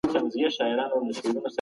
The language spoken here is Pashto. د خلګو عاید به په راتلونکي کي لوړ سي.